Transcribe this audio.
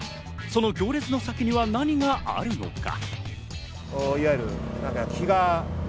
その行列の先には何があるのか？